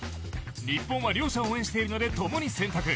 日本は両者応援しているので共に選択。